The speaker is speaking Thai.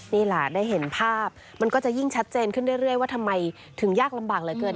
นี่แหละได้เห็นภาพมันก็จะยิ่งชัดเจนขึ้นเรื่อยว่าทำไมถึงยากลำบากเหลือเกิน